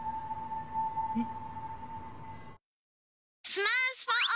えっ？